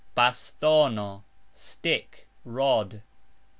bastono : stick (rod).